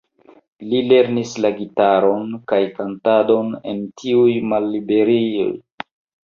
Li lernis la gitaron kaj kantadon en tiuj malliberejoj.